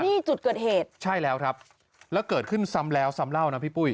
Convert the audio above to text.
นี่จุดเกิดเหตุใช่แล้วครับแล้วเกิดขึ้นซ้ำแล้วซ้ำเล่านะพี่ปุ้ย